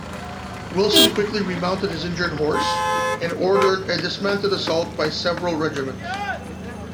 Wilson quickly remounted his injured horse and ordered a dismounted assault by several regiments.